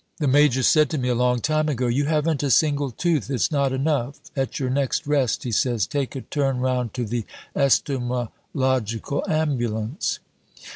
The major said to me a long time ago, 'You haven't a single tooth. It's not enough. At your next rest,' he says, 'take a turn round to the estomalogical ambulance.'"